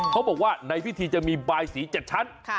เขาบอกว่าในพิธีจะมีบายสี๗ชั้น